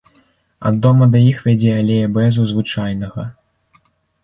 Ад дома да іх вядзе алея бэзу звычайнага.